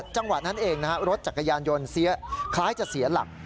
จังหวะนั้นเองนะฮะรถจักรยานยนต์คล้ายจะเสียหลัก